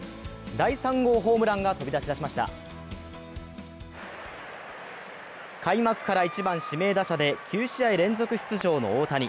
第３号ホームランが飛び出しました開幕から１番・指名打者で９試合連続出場の大谷。